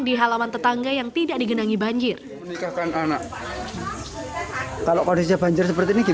di halaman tetangga yang tidak digenangi banjir